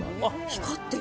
光ってる。